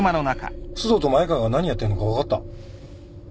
須藤と前川が何やってるのか分かった。